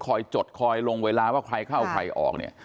คอยจดคอยลงเวลาว่าใครเข้าใครออก